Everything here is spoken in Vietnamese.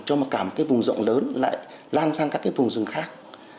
cho mà cả một cái vùng rộng lớn lại lan sang các cái vùng rừng khác